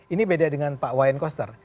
ini beda dengan pak wayan koster